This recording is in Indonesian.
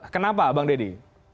kenapa bang deddy